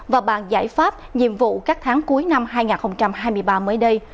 và bàn giải pháp nhiệm vụ các tháng cuối năm hai nghìn hai mươi ba mới đây